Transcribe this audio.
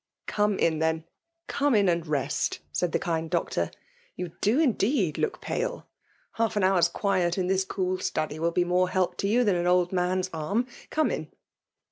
" Come in> then, — come in and rest/* said the kind Doctor. " You do indeed look pale. Half an hour s quiet in this cool study will be more help to you than an old man*s arm. Come in."